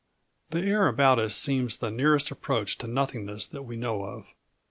The air about us seems the nearest approach to nothingness that we know of.